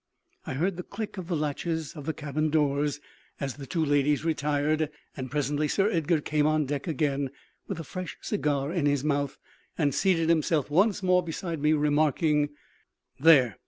I heard the click of the latches of the cabin doors as the two ladies retired, and presently Sir Edgar came on deck again, with a fresh cigar in his mouth, and seated himself once more beside me, remarking "There!